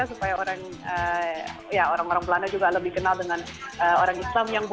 supaya orang orang belanda juga lebih kenal dengan orang islam